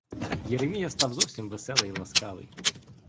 Єремія став зовсім веселий і ласкавий.